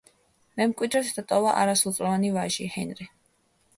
მემკვიდრედ დატოვა არასრულწლოვანი ვაჟი, ჰენრი.